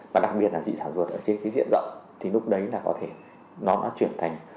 và đặc biệt là dị sản ruột ở trên cái diện rộng thì lúc đấy là có thể nó chuyển thành